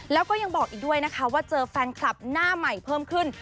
แล้วก็ยังบอกอีกด้วยนะคะว่าเจอแฟนคลับหน้าใหม่เพิ่มขึ้น